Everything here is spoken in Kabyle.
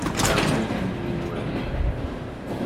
Ammud n uwren.